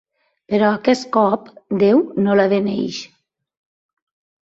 Però aquest cop déu no la beneeix.